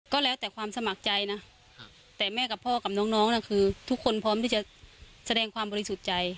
ก็แล้วแต่ความสมัครใจนะแต่แม่กับพ่อกับน้องน่ะคือทุกคนพร้อมที่จะแสดงความบริสุทธิ์ใจ